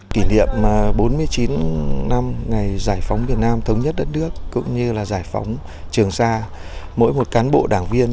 kỷ niệm bốn mươi chín năm ngày giải phóng việt nam thống nhất đất nước cũng như là giải phóng trường sa mỗi một cán bộ đảng viên